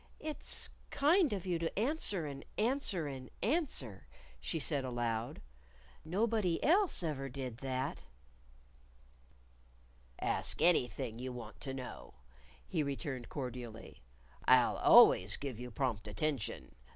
"It's kind of you to answer and answer and answer," she said aloud. "Nobody else ever did that." "Ask anything you want to know," he returned cordially. "I'll always give you prompt attention.